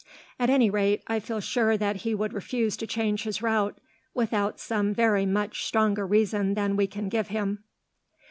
At any rate, I feel sure that he would refuse to change his route, without some very much stronger reason than we can give him."